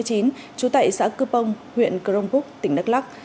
trú tại xã cư pông huyện crong phúc tỉnh đắk lắc